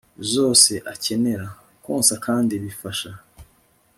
zose akenera. konsa kandi bifasha